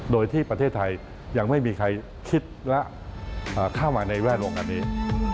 โดยที่ประเทศไทยยังไม่มีใครคิดและเข้ามาในแวดวงอันนี้